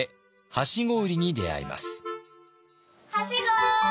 はしご。